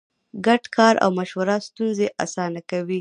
ګډ کار او مشوره ستونزې اسانه کوي.